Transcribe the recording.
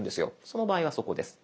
その場合はそこです。